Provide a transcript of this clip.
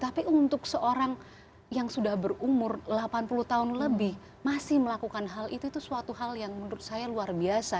tapi untuk seorang yang sudah berumur delapan puluh tahun lebih masih melakukan hal itu itu suatu hal yang menurut saya luar biasa